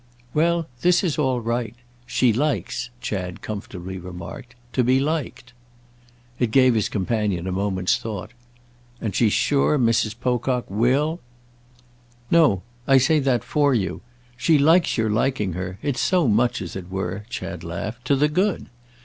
_" "Well, this is all right. She likes," Chad comfortably remarked, "to be liked." It gave his companion a moment's thought. "And she's sure Mrs. Pocock will—?" "No, I say that for you. She likes your liking her; it's so much, as it were," Chad laughed, "to the good.